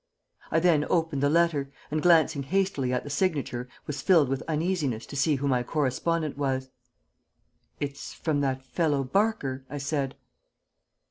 I then opened the letter, and glancing hastily at the signature was filled with uneasiness to see who my correspondent was. "It's from that fellow Barker," I said.